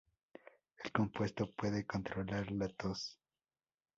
El compuesto puede controlar la tos.